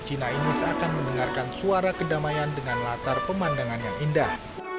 cina ini seakan mendengarkan suara kedamaian dengan latar pemandangan yang indah